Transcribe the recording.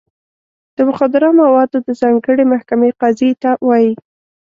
د مخدره موادو د ځانګړې محکمې قاضي ته وایي.